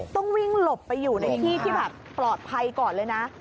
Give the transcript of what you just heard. ต้องวิ่งหลบไปอยู่ในที่ที่แบบปลอดภัยก่อนเลยนะ